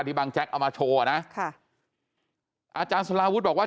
ที่บางแจ๊กเอามาโชว์นะอาจารย์สลาวุธบอกว่า